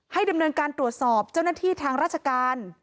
ดำเนินการตรวจสอบเจ้าหน้าที่ทางราชการ